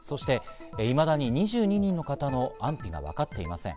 いまだに２２人の方の安否が分かっていません。